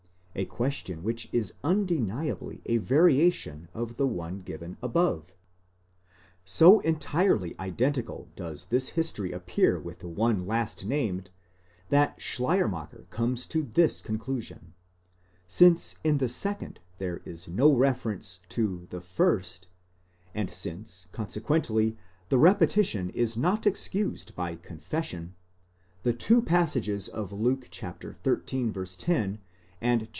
a question which is undeniably a variation of the one given above. So entirely identical does this history ap pear with the one last named, that Schleiermacher comes to this conclusion : since in the second there is no reference to the first, and since consequently the repetition is not excused by confession, the two passages Luke xiii. 10, and xiv.